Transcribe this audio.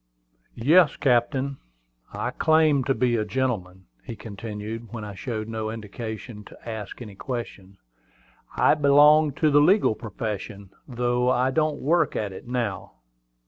"Yes, captain: I claim to be a gentleman," he continued, when I showed no inclination to ask any questions. "I belong to the legal profession, though I don't work at it now."